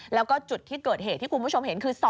แล้วก็จุดที่เกิดเหตุที่คุณผู้ชมเห็นคือ